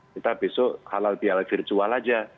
kita besok halal virtual saja